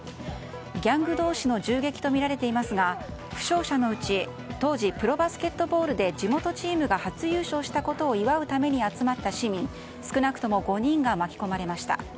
ギャング同士の銃撃とみられていますが負傷者のうち当時プロバスケットボールで地元チームが初優勝したことを祝うために集まった市民少なくとも５人が巻き込まれました。